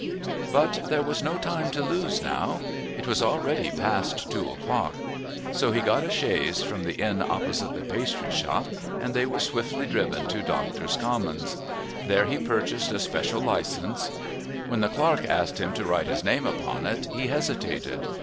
But there was no time to lose now. It was already past two o'clock. So he got a chaise from the inn opposite the pastry shop, and they were swiftly driven to Doctors' Commons. There he purchased a special licence. When the clerk asked him to write his name upon it, he hesitated.